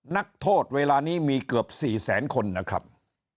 นักโทษเวลานี้มีเกือบ๔แสนคนนะครับ